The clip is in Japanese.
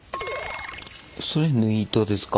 それ縫い糸ですか？